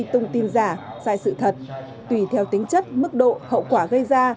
thông tin giả sai sự thật tùy theo tính chất mức độ hậu quả gây ra